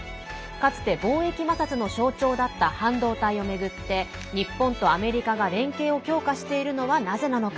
かつて貿易摩擦の象徴だった半導体を巡って日本とアメリカが連携を強化しているのはなぜなのか。